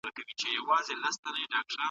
که توفیق د اتفاق پښتانه مومي